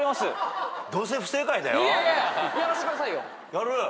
やる？